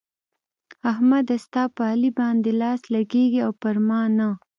احمده! ستا په علي باندې لاس لګېږي او پر ما نه.